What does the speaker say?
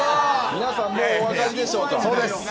皆さん、お分かりでしょうか。